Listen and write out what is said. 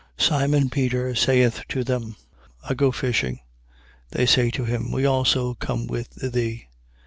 21:3. Simon Peter saith to them: I go a fishing. They say to him: We also come with thee.